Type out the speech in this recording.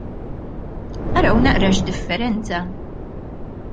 Araw naqra x'differenza!